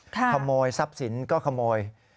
ขโมยทรัพย์สินก็ขโมย